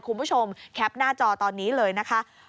คุณผู้ชมแคปหน้าจอตอนนี้เลยนะคะ